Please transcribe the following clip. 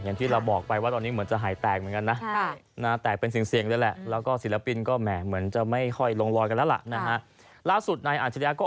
อย่างที่เราบอกไปว่าตอนนี้เหมือนจะหายแตกเหมือนกันนะ